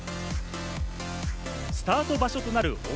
スタート場所となる表